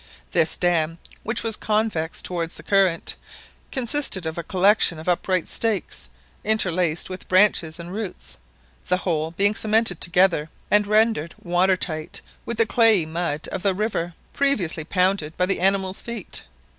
This dam, which was convex towards the current, consisted of a collection of upright stakes interlaced with branches and roots, the whole being cemented together and rendered watertight with the clayey mud of the river, previously pounded by the animals' feet.